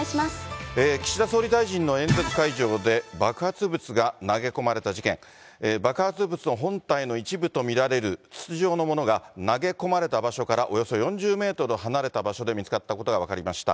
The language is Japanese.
岸田総理大臣の演説会場で、爆発物が投げ込まれた事件、爆発物の本体の一部と見られる筒状のものが、投げ込まれた場所から、およそ４０メートル離れた場所で見つかったことが分かりました。